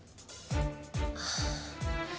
ああ。